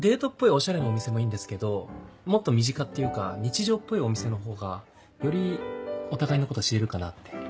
オシャレなお店もいいんですけどもっと身近っていうか日常っぽいお店の方がよりお互いのこと知れるかなって。